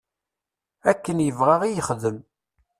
Akken yebɣa i yexdem.